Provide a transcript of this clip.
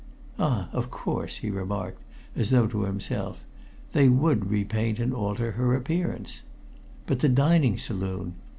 "Ah! Of course," he remarked, as though to himself. "They would repaint and alter her appearance. But the dining saloon.